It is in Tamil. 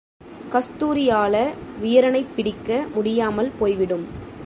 கஸ்தூரியால வீரனைப் பிடிக்க முடியாமல் போய்விடும்.